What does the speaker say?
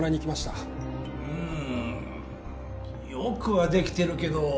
うんよくはできてるけど。